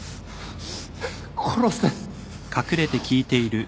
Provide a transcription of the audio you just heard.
殺せ。